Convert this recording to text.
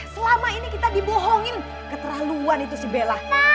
selama ini kita dibohongin keterlaluan itu si bella